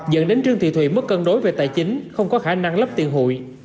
dẫn đến trương thị thùy mất cân đối về tài chính không có khả năng lấp tiền hụi